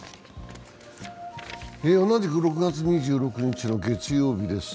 同じく６月２６日の月曜日です。